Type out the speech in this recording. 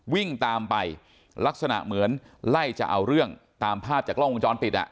วิ่งตามไปลักษณะเหมือนไล่จะเอาเรื่องตามภาพจากกล้องวงจรปิดอ่ะ